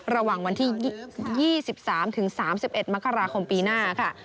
ระหว่างวันที่๒๓๓๑มกราคมปีหน้าค่ะ